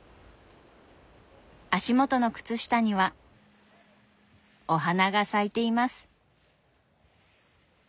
足元の靴下にはお花が咲いています。